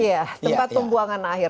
iya tempat pembuangan akhir